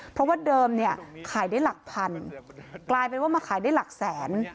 เพราะว่าเดิมเนี่ยขายได้หลักพันกลายเป็นว่ามาขายได้หลักแสน